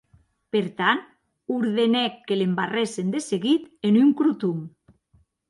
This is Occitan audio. Per tant, ordenèc que l’embarrèssen de seguit en un croton.